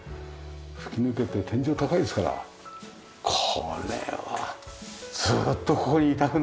吹き抜けって天井高いですからこれはずーっとここにいたくなるわなあ。